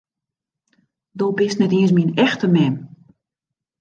Do bist net iens myn echte mem!